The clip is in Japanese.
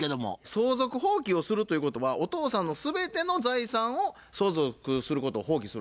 相続放棄をするということはお父さんの全ての財産を相続することを放棄するわけですよね。